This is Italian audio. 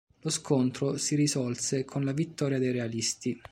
Lo scontro si risolse con la vittoria dei realisti.